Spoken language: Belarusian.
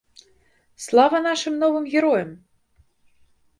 Слава нашым новым героям!